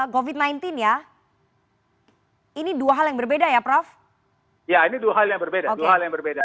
covid sembilan belas ya ini dua hal yang berbeda ya prof ya ini dua hal yang berbeda dua hal yang berbeda